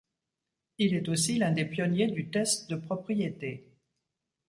Il est aussi l'un des pionniers du test de propriété.